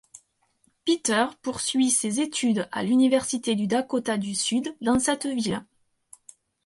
Peter poursuit ses études à l'Université du Dakota du Sud dans cette ville.